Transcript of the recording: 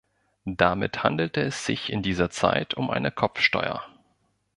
Damit handelte es sich in dieser Zeit um eine Kopfsteuer.